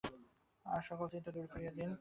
অন্য সকল চিন্তা দূর করিয়া দিন।